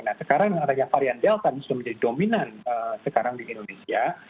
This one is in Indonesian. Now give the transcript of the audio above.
nah sekarang dengan adanya varian delta sudah menjadi dominan sekarang di indonesia